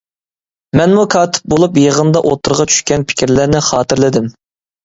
مەنمۇ كاتىپ بولۇپ يىغىندا ئوتتۇرىغا چۈشكەن پىكىرلەرنى خاتىرىلىدىم.